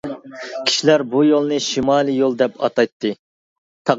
كىشىلەر بۇ يولنى «شىمالىي يول» دەپ ئاتايتتى.